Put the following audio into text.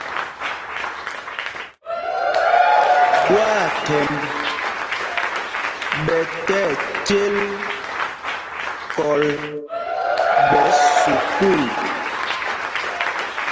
Ɓwaathɛmb ɓɛ tí ɛcêl kɔl ɓɛ̌ sukûl.